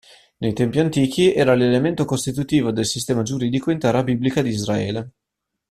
Nei tempi antichi era l'elemento costitutivo del sistema giuridico in Terra biblica di Israele.